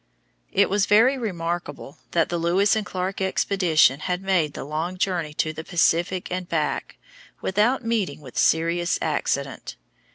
It was very remarkable that the Lewis and Clark expedition had made the long journey to the Pacific and back without meeting with serious accident.